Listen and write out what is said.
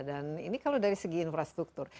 dan ini kalau dari segi infrastruktur